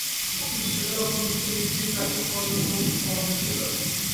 কিন্তু সেগুলি অল্পবিস্তর নিজ নিজ জাতির পরিধির মধ্যেই সীমাবদ্ধ ছিল।